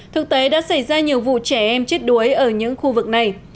thực tế đã xảy ra nhiều vụ trẻ em chết đuối ở những khu vực này